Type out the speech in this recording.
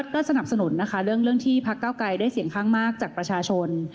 ก็สนับสนุนนะคะเรื่องที่พักเก้าไกรได้เสียงข้างมากจากประชาชน